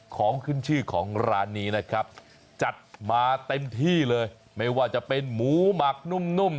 ของขึ้นชื่อของร้านนี้นะครับจัดมาเต็มที่เลยไม่ว่าจะเป็นหมูหมักนุ่มนุ่ม